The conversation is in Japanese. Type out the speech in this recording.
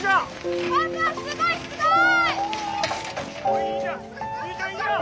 パパすごいすごい！